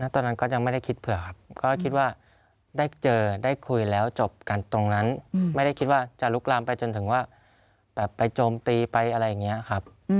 ตอนนั้นก็ยังไม่ได้คิดเผื่อครับก็คิดว่าได้เจอได้คุยแล้วจบกันตรงนั้นไม่ได้คิดว่าจะลุกลามไปจนถึงว่าแบบไปโจมตีไปอะไรอย่างนี้ครับ